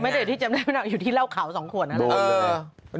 ไม่ได้ที่จำได้อยู่ที่เล่าขาวสองขวดนั่น